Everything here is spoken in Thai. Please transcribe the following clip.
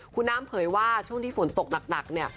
คุณน้ำเผยว่าช่วงที่ฝนตกหนักเนี่ย